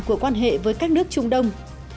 của quan hệ với các nước trung đông